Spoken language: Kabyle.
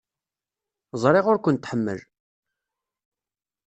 Ẓriɣ ur ken-tḥemmel.